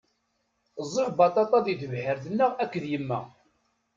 Ẓẓiɣ baṭaṭa di tebḥirt-nneɣ akked yemma.